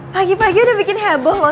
pagi pagi udah bikin heboh loh